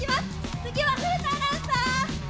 次は古田アナウンサー。